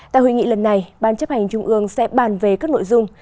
tại hội nghị lần này ban chấp hành trung ương sẽ bàn về các nội dung